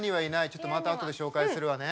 ちょっとまた後で紹介するわね。